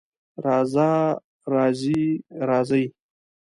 راځه، راځې، راځئ